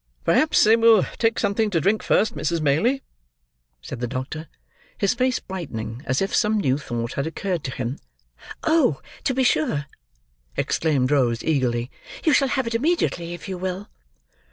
"Perhaps they will take something to drink first, Mrs. Maylie?" said the doctor: his face brightening, as if some new thought had occurred to him. "Oh! to be sure!" exclaimed Rose, eagerly. "You shall have it immediately, if you will."